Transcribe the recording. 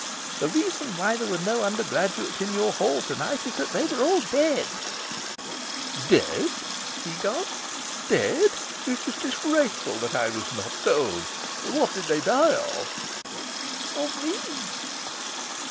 The reason why there were no undergraduates in your Hall to night is that they were all dead." "Dead?" he gasped. "Dead? It is disgraceful that I was not told. What did they die of?" "Of me."